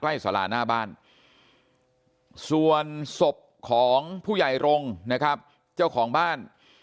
สาราหน้าบ้านส่วนศพของผู้ใหญ่รงค์นะครับเจ้าของบ้าน